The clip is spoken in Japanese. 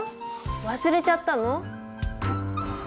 忘れちゃったの？